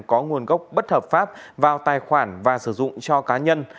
có nguồn gốc bất hợp pháp vào tài khoản và sử dụng cho cá nhân